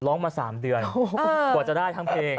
ร้องมา๓เดือนกว่าจะได้ทั้งเพลง